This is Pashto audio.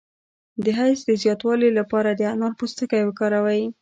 د حیض د زیاتوالي لپاره د انار پوستکی وکاروئ